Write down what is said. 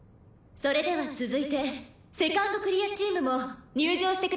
「それでは続いて２ｎｄクリアチームも入場してください」